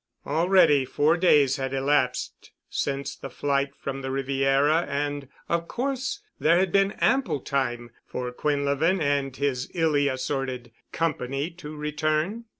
Already four days had elapsed since the flight from the Riviera and of course there had been ample time for Quinlevin and his illy assorted company to return.